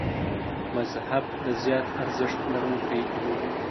مذهب د زیات ارزښت لرونکي و.